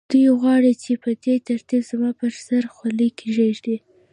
دوی غواړي چې په دې ترتیب زما پر سر خولۍ کېږدي